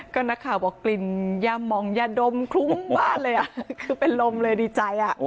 แสดงความยินดีด้วยครับ